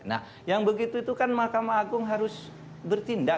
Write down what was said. nah yang begitu itu kan mahkamah agung harus bertindak